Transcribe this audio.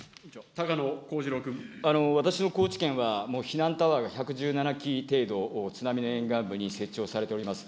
私の高知県は、もう避難タワーが１１７基程度津波の沿岸部に設置をされております。